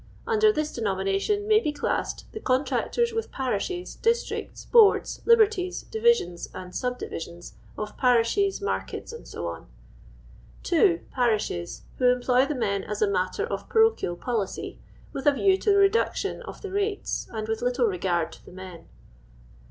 Under this de nomination may be cUssed the contractors with parishes, districts, boards, liberties, divisions and subdivisions of parishes, markets, &c. (2.) Pariihes, who employ the men as a matter of parochial policy, with a view to the reduction of the rates, and with little regard to the men.